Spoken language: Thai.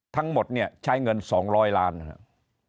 ทั้งหมดเนี่ยใช้เงิน๒๐๐ล้านนะครับ